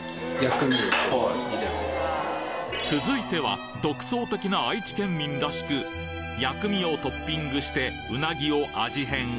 続いては、独創的な愛知県民らしく、薬味をトッピングして、うなぎを味変。